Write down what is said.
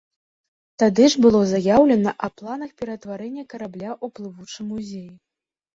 Тады ж было заяўлена аб планах ператварэння карабля ў плывучы музей.